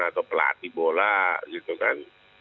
atau pelatih bola gitu kan